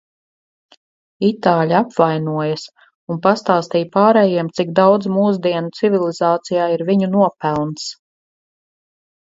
Itāļi apvainojas un pastāstīja pārējiem, cik daudz mūsdienu civilizācijā ir viņu nopelns.